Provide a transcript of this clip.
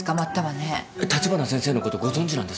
立花先生のことご存じなんですか？